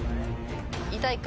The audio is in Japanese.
痛いか？